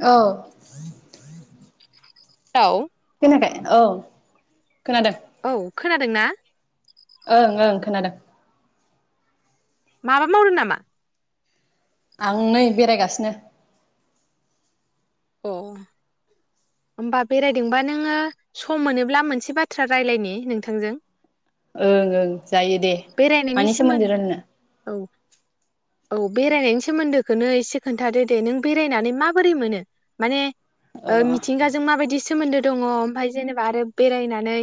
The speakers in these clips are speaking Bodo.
औ [unintelligible] ए औ खोनादों औ खोनादोंना ओं ओं खोनादों माबा मावदो नामा आं नै बेरायगासिनो औ होमबा बेरायदोंबा नोङो सम मोनोब्ला मोनसे बाथ्रा रायलायनि नोंथांजों ओं ओं जायो दे बेरायनायनि मानि सोमोन सोमोन्दो रोननो औ औ बेरायनायनि सोमोन्दोखोनो एसे खोन्थादो दे नों बेरायनानै माबोरै मोनो माने अ ओ मिथिंगाजों माबायदि सो सोमोन्दो दङ ओमफाय जेनेबा आरो बेरायनानै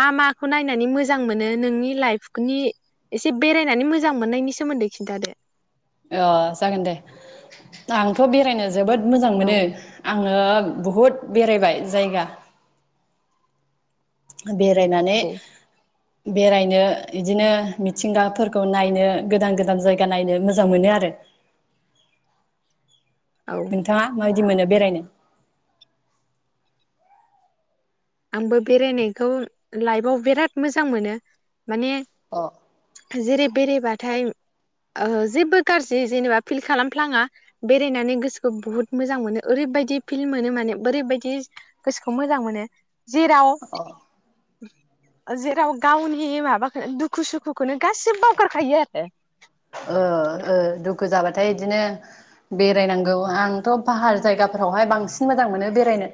मा माखौ नायनानै मोजां मोनो नोंनि लाइफनि एसे बेरायनानै मोजां मोननायनि सोमोन्दो खिन्थादो अ जागोन दे आंथ बेरायनो जोबोद मोजां औ मोनो आङो बहुद बेरायबाय जायगा बेरायनानै औ बेरायनो इदिनो मिथिंगाफोरखौ नायनो गोदान गोदान जायगा नायनो मोजां मोनो आरो औ नोंथाङा मायद बिदि मोनो बेरायनो आंबो बेरायनायखौ लाइफआव बिराद मोजां मोनो माने अ जेरै बेरायबाथाय ओ जेबो गाज्रि जेनेबा फिल खालामफ्लाङा बेरायनानै गोसोखौ बुहुद मोजां मोनो ओरैबायदि फिल मोनो माने ओरैबायदि गोसोखौ मोजां मोनो जिराव अ जेराव गावनि माबाखौ दुखु सुखुखौनो गासिबो बावगारखायो आरो बिदिनो बेरायनांगौ आंथ' फाहार जायगाफोरावहाय बांसिन बांसिन मोजां मोनो बेरायनो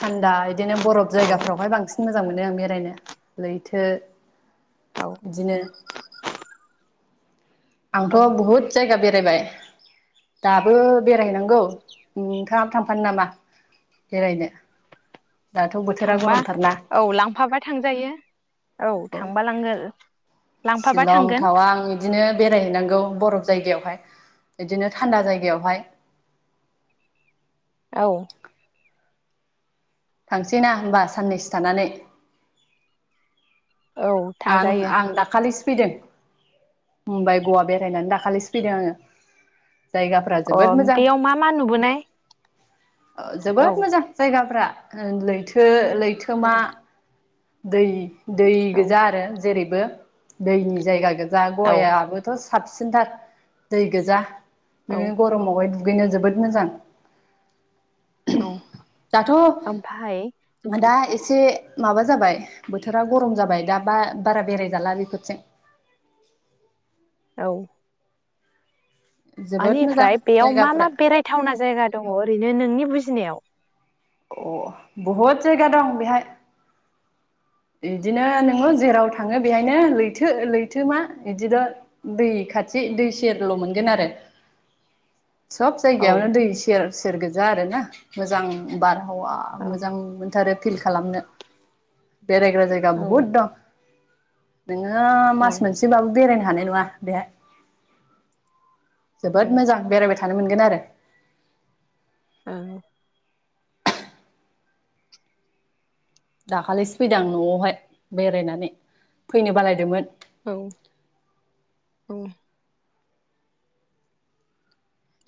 थान्दा बिदिनो बरफ जायगाफ्रावहाय बांसिन मोजां मोनो आं बेरायनो लैथो औ बिदिनो आंथ' औ बहुत जायगा बेर बेरायबाय दाबो बेरायनांगौ नोंथांङाबो थांफानो नामा बेरायनो? दाथ' बोथोरा थांबा गरमथारना औ लांफाबा थांजायो औ थांबा लांगोन। लांफाबा शिलं थांगोन थावां बिदिनो बेरायहैनांगौ बरफ जायगायावहाय बिदिनो थानदा जायगायावहाय औ थांसै ना होमबा साननैसो थानानै औ थांजायो आं-आं दाखालि फैदों मुम्बाइ गवा बेरायनानै दाखालिसो फैदों आङो जायगाफ्रा अ जोबोद मोजां बेयाव मा मा नुबोनाय औ जोबोद मोजां जायगाफ्रा लैथो औ लैथोमा दै दै गोजा आरो जेरैबो दैनि जायगा गोबां जा औ गयाबोथ साबसिनथार दै गोजा। औ नोङो गरमावबहाय दु दुगैनो जोबोद मोजां औ दाथ' ओमफाय दा एसे माबा जाबाय बोथोरा गरम जाबाय दा बा-बारा बेराय जाला बेफोरजों औ जोबोद मोजां आनिफ्राय बेयाव मा जायगाफ्रा मा बेरायथावना जायगा दङ' ओरैनो नोंनि बुजिनायाव? अ बहुद जायगा दं बेहाय बिदिनो नोङो जेराव थाङो बेहायनो लैथो लैथोमा इदिनो दै खाथि दै सेरल' मोनगोन आरो। सब औ जायगायावनो दै सेर सेर गोजा आरोना मोजां बार हावा औ मोजां मोनथारो। फिल खालामनो बेरायग्रा जायगा औ बहुद दं। नोङो मास औ मोनसेबाबो बेरायनो हानाय नङा बेहाय जोबोद मोजां बेरायबाय थ थानो मोनगोन आरो औ दाखालिसो फैदों आं न'आवहाय बेरायनानै फैनो बालायदोंमोन औ औ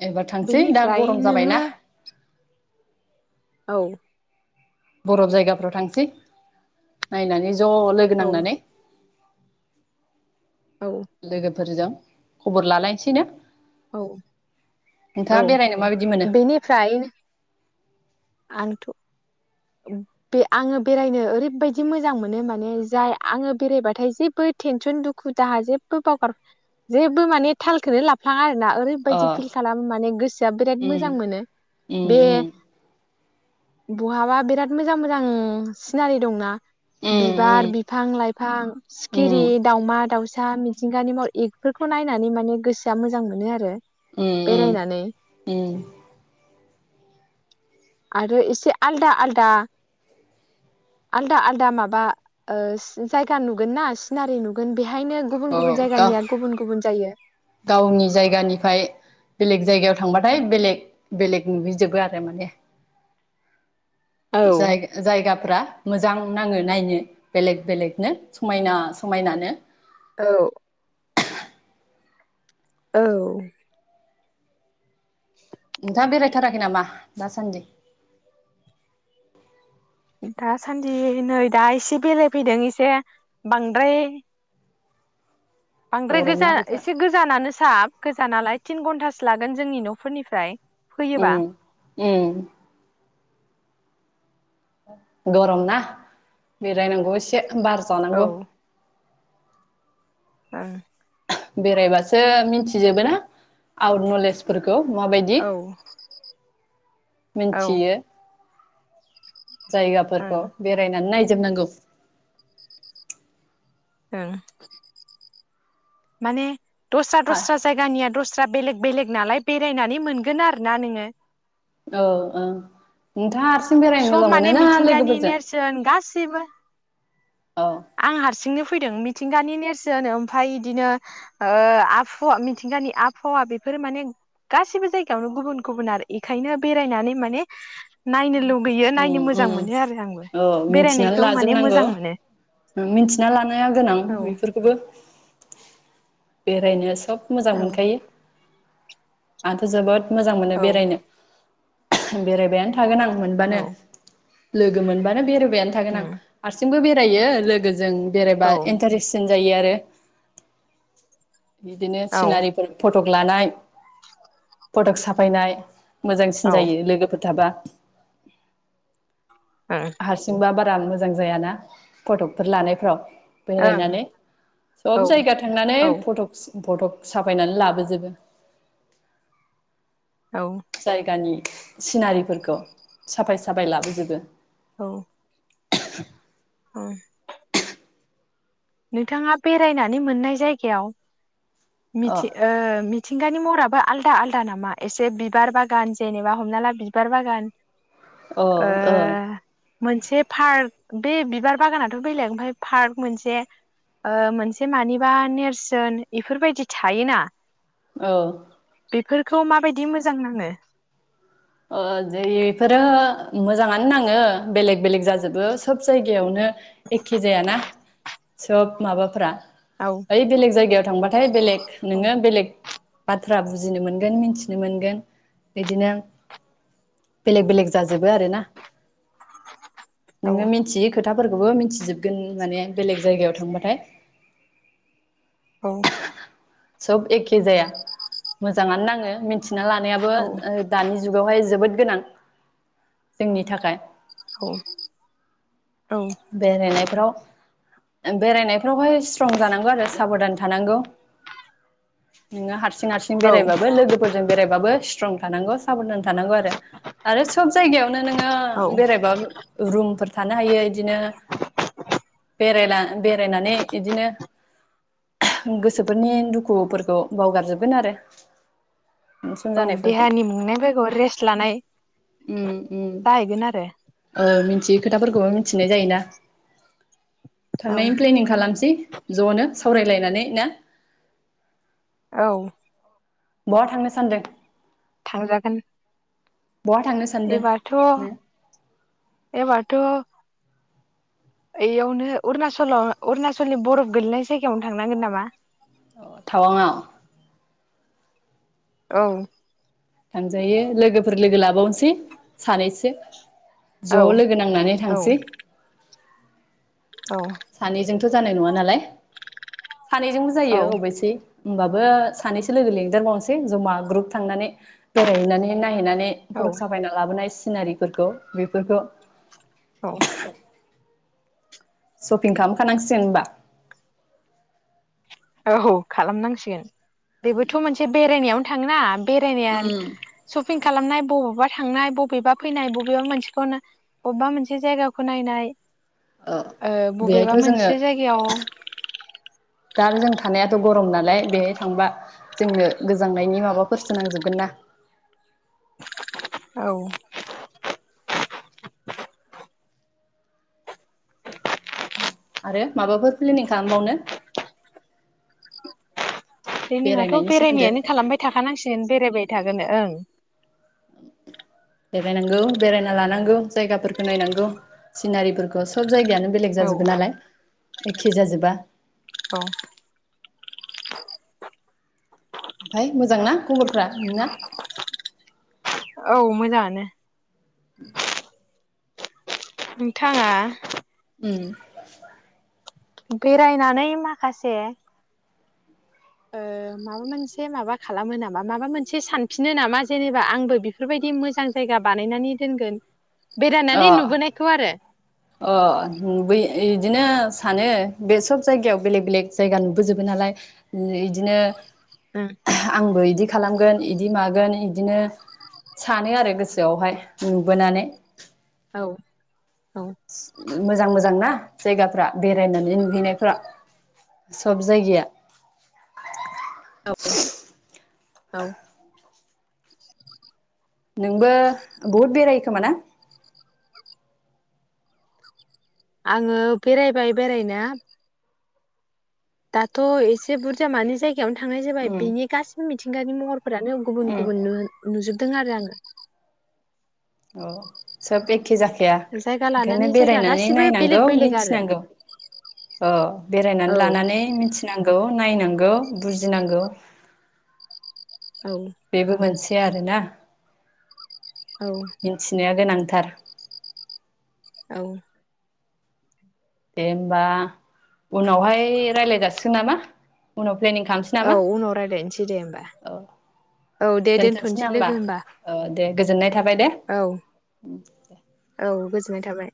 एबार थांसै दा बेनिफ्राय गरम नोङो जाबायना औ बरफ जायगाफ्राव थांसै नायनानै ज' लोगो औ नांनानै औ फोरजों खबर लालायनोसैनो औ औ बेरायनो माबायदि मोनो बेनिफ्राय आंथ' बे आङो बेरायनो ओरैबायाददि मोजां मोनो माने जाय आङो बेरायबाथाय जेबो टेनसन दुखु जाहा जेबो बावगार जेबो माने थालखौनो लाफ्लाङा आरोना अ ओरैबायाददि फिल खालाम माने गोसोआ बिराद उम मोजां मोनो उम बे उम बुहाबा बेराद मोजां मोजां सिनारि दंना उम बिबार उम बिफां लाइफां सिखिरि दाउमा दावसा था मिथिंगानि महर एफोरखौ नायनानै माने गोसोआ मोजां मोनो आरो उम उम बेरायनानै ओम आरो एसे आलदा आलदा आलदा आलदा माबा जायगा नुगोन ना सिनारि नुगोन बेहायनो गुबुन अ गुबुन गाव जायगानिया गुबुन गुबुन जायो गावनि जायगानिफ्राय बेलेग जायगायाव थांबाथाय बेलेग बेलेग नुहैजोबो आरो माने जाय औ जायगाफ्रा मोजां नाङो नायनो बेलेग बेलेगनो समायना समायनानो औ औ नोंथाङा बेरायथाराखै नामा दासान्दि दासान्दि नै दा एसे बेराय फैदों एसे बांद्राय बांद्राय गरम ना गोजान बोथोरा एसे गोजानानो साब गोजानालाय तिन घन्टासो लागोन जोंनि न'फोरनिफ्राय फैयोबा उम ओ गरम ना बेरायनांगौ एसे बार औ जानांगौ ओ बेरायबासो मिथिजोबो ना आउट नलेजफोर गौ माबायदि औ औ मिनथियो। जायगाफोरखौ ओं बेरायनानै नाय जोबनांगौ। ओं माने। आ दस्रा-दस्रा जायगानिया दस। [unintelligible] बेलेग-बेलेग नालाय बेरायनानै मोनगोन आरोना नोङो। औ औ नोंथाङा हारसिं बेरायनो सब मोजां माने मोनोना मिथिंगानि लोगोफोरजों। नेरसोन गासिबो औ आं हारसिंनो फैदों मिथिंगानि नेरसोन ओमफ इदिनो ओ आबफवा मिथिंगानि आबहावा बेफोर माने गासिबो जायगायावनो गुबुन-गुबुन आरो इखायनो बेरायनानै माने नायनो लु गैयो उम नायनो मोजां उम मोनो आरो आंबो औ मिथिनानै बेरायनायखौ माने लाजोबनांगौ मोजां मोनो। मिथिना लानाया गोनां औ बेफोरखौबो। बेरायनो सब। मोजां औ मोनखायो। आंथ जोबोद। मोजां मोनो औ बेरायनो। [unintelligible] बेरायबायानो थागोन आं। मोनबानो। औ लोगो मोनबानो [unintelligible] [unintelligible] थागोन आं उम हारसिंबो बेर जायो लोगोजों। बेरायबा औ इन्टारेसिन। जायो आरो। बिदिनो औ सिनारिफोर फट। फटक लानाय फटक साफायनाय। मोजांसिन औ ओं जायो लोगोफोर। थाबा। ओं हारसिंबा बात। [unintelligible] मोजां जायाना फटफोर लानायफ्राव। बेरायनानै सब औ जायगा थांनानै औ फटकस। फटक साफायनानै लाबोजोबो। औ जायगानि। सिनारिफोरखौ साफाय साफाय लाबोजोबो। औ। [inaudible] उम। नोंथाङा बेरायनानै मोननाय जायगायाव अ मिथि ओ मिथिंगानि म फोराबो आलदा आलदा नामा एसे बिबार बागान जेनेबा हमना ला बिबार बागान अ ओ ओं मोनसे पार्क बे बिबार बागानाथ' बेलेग ओमफ्राय पार्क मोनसे ओ मोनसे मानिबा नेरसोन इफोरबायदि थायोना औ बिफोरखौ माबायदि मोजां नाङो? ओ जे बिफोरो मोजाङानो नाङो बेलेग बेलेग जाजोबो सब जायगायावनो। एखे जाया ना। सब माबाफोरा औ ओइ बेलेग जायगायाव थांबाथाय बेलेग नोङो बेलेग बाथ्रा बुजिनो मोनगोन मिथिनो मोनगोन बिदिनो बेलेग बेलेग जाजोबो आरोना। औ नोङो मिथियो खो थाफोरखौबो मिथिजोबगोन माने बेलेग जायगायाव थांबाथाय औ सब एखे जाया मोजाङानो नाङो मि थिना लानायाबो औ ओ दानि जुगावहाय जोबोद गोनां जोंनि थाखाय। औ बेरायनायफोराव बेरायनाय बेवहाय स्ट्रं जानांगौ आरो साबधान थानांगौ। नोङो हा रसिं हारसिं औ बेरायबाबो लोगोफोरजों बेरायबाबो स्ट्रं थानांगौ साब'धान थानांगौ आरो आरो सब जायगायावनो नोङो औ बेरायबा रुमफोर थानो हायो बिदिनो बेरायला बेरायनानै बिदिनो गो सोफोरनि दुखुफोरखौ बावगारजोबगोन आरो थेनसन औ जानायफोरखौ देहानि मेंनायफोरखौ रेस्ट लानाय उम उम जाहैगोन आरो ओ मिनथियै खोथाफोरखौबो मिथिनाय जायोना। थांनायनि प्लेनिं खालामनोसै ज'नो। सावरायलायनानै ना? औ बहा थांनो सानदों? थांजागोन। बहा थांनो सानदों एबारथ' नो एबारथ' ओयावनो अरुणचल अरुणचलनि बरफ गोलैनाय जायगायावनो थांनांगोन नामा? थावांआव? औ थांजायो लोगोफोर लोगो लाबावनोसै सानैसो। ज' औ लोगो नांनानै औ थांसै। सानैजों थ' जानाय नङा नालाय। सानैजोंबो जायो औ अबैसे ओमबाबो सानैसो लोगो लिंदेरबावनोसै जमा ग्रुप थांनानै बेरायहैनानै नाय हैनानै औ फट'क साफायना लाबोनायस सिनारिफोरखौ बेफोरखौ औ सपिं खामखानांसिगोन ओमबा? औ खालामनांसिगोन। बेबोथ' मोनसे बेरायनायाव थांना बेरायनाया उम सपिं खालामनाय बबावबा थांनाय बबेबा फैनाय बबेबा मोनसेखौनो बबबा मोनसे जायगाखौ नायनाय। औ ओ बबेबा बेहायथ' जोङो मोनसे जायगायाव दा जों थानायाथ' गरम नालाय बेहाय थांबा जोंनो गोजांनायनि माबाफोर सो नांजोबगोन ना। औ आरो माबाफोर प्लेनिं खालामबावनो? प्लेनिंआथ' बेरायनायनि सोमोन्दै बेरायनायानो खालामबाय थाखानांसिगोन बेरायबाय थागोन ओं। बेरायनांगौ बेरायना लानांगौ जायगाफोरखो नायनांगौ सिनारिफोरखौ स जायगायानो बेलेग ओं जाजोबबाय नालाय। एखे जाजोबा औ ओमफाय मोजांना खबरफ्रा नोंना? औ मोजाङानो। नोंथाङा उम बेरायनानै माखासे ओ माबा मोनसे माबा खालामो नामा माबा मोनसे सानफिनो नामा जेनेबा आंबो बेफोरबायदि मोजां जायगा बानायनानै दोनगोन अ बेरायनानै नुबोनायखौ आरो अ बै इदिनो सानो बे सब जायगायाव बेलेग बेलेग जायगा नुबोजोबो नालाय इदिनो उम आंबो इदि खालामगोन इदि मागोन इदिनो सानो आरो गोसोआवहाय नुबोनानै। औ औ मोजां मोजां ना जायगाफ्रा बे रायनानै नुहैनायफ्रा। सब जायगाया औ। औ। [inaudible] नोंबो बहुद बेरायखोमा ना? आङो बेरायबाय बेरायनाया दाथ' एसे बुरजा मानो जाय नो थांनाय जाबाय उम बेनि गासि मिथिंगानि महर फोरानो गुबुन उम गुबुन नुजोबदों आरो आङो। औ सोब एखे जाखाया जायगा ओंखायनो लानानै जायगा बेरायनानै गासिबो नायनांगौ बेलेग बेलेग आरो मिथिनांगौ अ औ बेरायनानै लानानै मिथिनांगौ। नायनांगौ बुजिनांगौ। औ बेबो मोनसे आरोना। औ मिथिनाया गोनां थार। औ। दे होमबा उनावहाय रायलायगासिगोन नामा उनाव प्लेनिं खालामसै औ नामा उनाव रायज्लायनोसै दे होमबा औ औ दे दोनथ'नोसै लोगो होमबा औ दे गोजोननाय थाबाय दे औ औ गो जोननाय थाबाय।